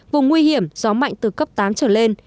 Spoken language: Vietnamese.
vùng nguy hiểm gió mạnh từ cấp tám trở lên